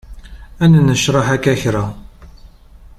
Ad nennecraḥ akka kra.